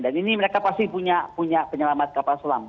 dan ini mereka pasti punya penyelamat kapal selam